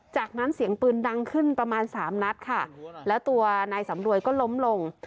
จากนั้นเสียงปืนดังขึ้นประมาณสามนัดค่ะแล้วตัวนายสำรวยก็ล้มลง